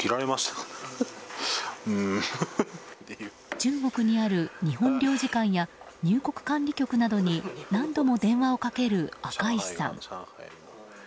中国にある日本領事館や入国管理局などに何度も電話をかける赤石さん。